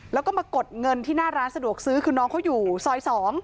แล้วก็มากดเงินที่หน้าร้านสะดวกซื้อคือน้องเขาอยู่ซอย๒